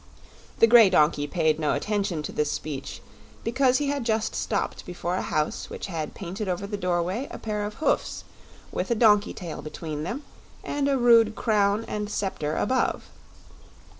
The grey donkey paid no attention to this speech because he had just stopped before a house which had painted over the doorway a pair of hoofs, with a donkey tail between them and a rude crown and sceptre above.